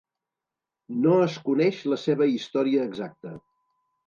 No es coneix la seva història exacta.